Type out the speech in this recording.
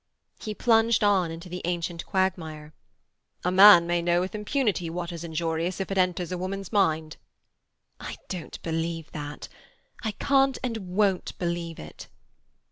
He plunged on into the ancient quagmire. "A man may know with impunity what is injurious if it enters a woman's mind." "I don't believe that. I can't and won't believe it."